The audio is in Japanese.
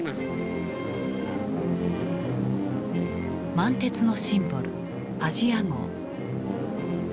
満鉄のシンボルあじあ号。